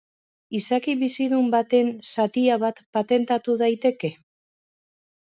Izaki bizidun baten zatia bat patentatu daiteke?